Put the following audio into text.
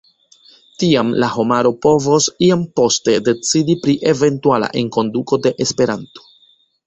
Tiam la homaro povos iam poste decidi pri eventuala enkonduko de Esperanto.